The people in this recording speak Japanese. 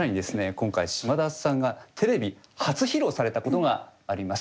今回嶋田さんがテレビ初披露されたことがあります。